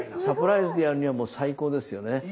サプライズでやるにはもう最高ですよね。